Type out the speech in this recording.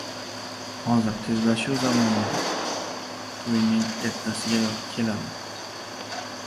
Hozir tezlashuv zamonimi, to‘yning ertasigayoq keladi.